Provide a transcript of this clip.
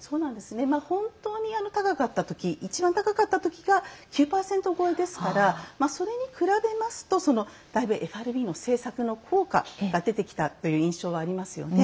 本当に高かった時が９％超えですからそれに比べるとだいぶＦＲＢの政策の効果が出てきた印象はあります。